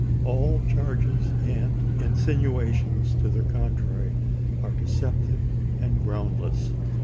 All charges and insinuations to the contrary are deceptive and groundless.